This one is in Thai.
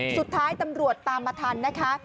สุดท้ายตำรวจตามมาทันนะคะ